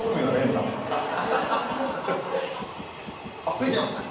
着いちゃいましたね。